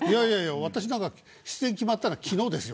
私なんか出演決まったの昨日ですよ。